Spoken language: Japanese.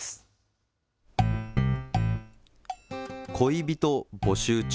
恋人募集中。